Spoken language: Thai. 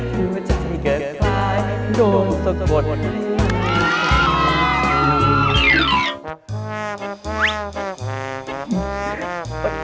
หรือว่าใจเกิดไปโดนสกปลอดภัย